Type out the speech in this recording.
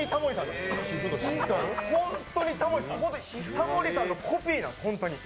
タモリさんのコピーなんです本当に。